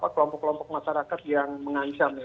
kelompok kelompok masyarakat yang mengancam